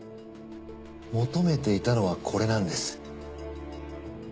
求めていたのはこれなんです。